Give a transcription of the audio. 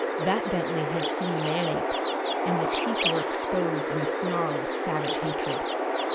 That Bentley had seen Manape, and the teeth were exposed in a snarl of savage hatred.